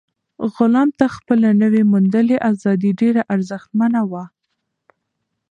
غلام ته خپله نوي موندلې ازادي ډېره ارزښتمنه وه.